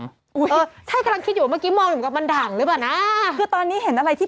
มะนาวตรงนี้นี่ต้องรอหน้าแรงน่ะตรงนี้ดีนี้